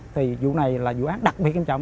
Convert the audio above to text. thì vụ này là vụ án đặc biệt nghiêm trọng